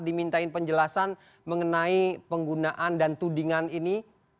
dimintain penjelasan mengenai penggunaan dan tudingan ini